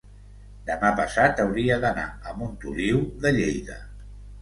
demà passat hauria d'anar a Montoliu de Lleida.